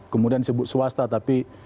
kemudian disebut swasta tapi